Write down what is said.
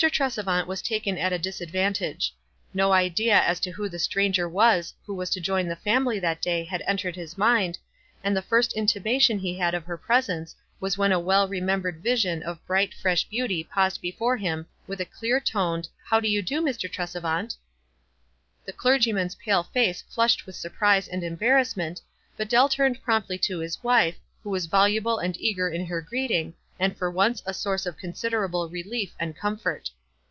Tresevant was taken at a disadvantage. Kb idea as to who the stranger was who was to 64 WISE AND OTHERWISE. join the family that day had entered his niinci, and the first intimation he had of her presence was when a well remembered vision of bright, fresh beauty paused before him with a clear toned "How do you do, Mr. Tresevant?" The clergyman's pale face flushed with sur prise and embarrassment, but Dell turned promptly to his wife, who was voluble and eager in her greeting, and for once was a source of considerable relief and comfort.